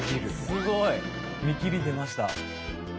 すごい「見切り」出ました。